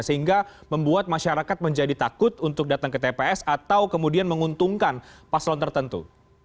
sehingga membuat masyarakat menjadi takut untuk datang ke tps atau kemudian menguntungkan paslon tertentu